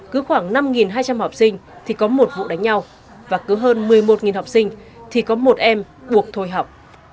cứ khoảng năm hai trăm linh học sinh thì có một vụ đánh nhau và cứ hơn một mươi một học sinh thì có một em buộc thôi học